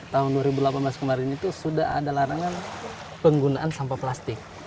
tahun dua ribu delapan belas kemarin itu sudah ada larangan penggunaan sampah plastik